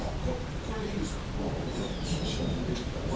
「これでいいんですか？」って新人で言ったんです。